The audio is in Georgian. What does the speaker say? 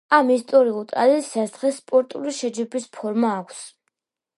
ამ ისტორიულ ტრადიციას დღეს სპორტული შეჯიბრის ფორმა აქვს.